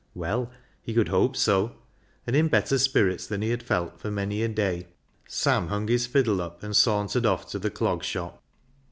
Well, he would hope so; and in better spirits than he had felt for many a day, Sam hung his fiddle up and sauntered off to the Clog Shop.